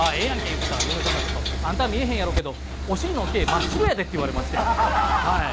言うてたら嫁さんがちょっと「あんたは見えへんやろうけどお尻の毛真っ白やで」って言われましてはい。